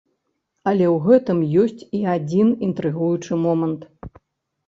Але ў гэтым ёсць і адзін інтрыгуючы момант.